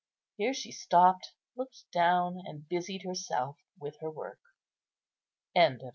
Here she stopped, looked down, and busied herself with her work. CHAPTER XI.